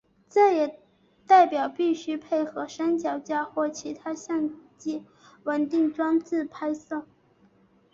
这也代表必须配合三脚架或其他相机稳定装置拍摄。